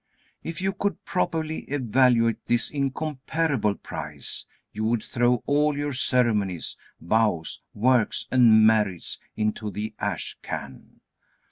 If you could properly evaluate this incomparable price, you would throw all your ceremonies, vows, works, and merits into the ash can.